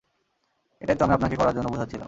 এটাই তো আমি আপনাকে করার জন্য বুঝাচ্ছিলাম।